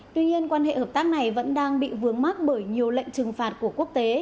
tuy nhiên quan hệ hợp tác này vẫn đang bị vướng mắt bởi nhiều lệnh trừng phạt của quốc tế